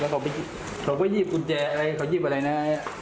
เขาก็ยีบกุญแจอะไรเขายีบอะไรนะ